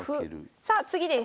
さあ次です。